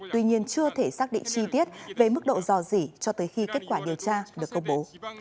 tuy nhiên chưa thể xác định chi tiết về mức độ dò dỉ cho tới khi kết quả điều tra được công bố